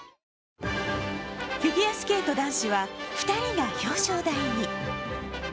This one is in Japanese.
フィギュアスケート男子は２人が表彰台に。